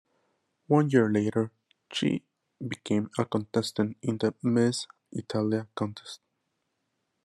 One year later, she became a contestant in the Miss Italia contest.